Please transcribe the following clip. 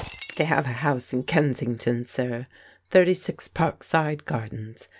" They have a house in Kensington, sir, 36 Park Side Gardens.